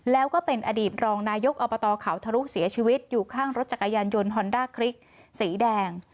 แล้วก็เป็นอดีตรองนายกอบตเขาทะลุเสียชีวิตอยู่ข้างรถจักรยานยนต์ฮอนด้าคลิกสีแดง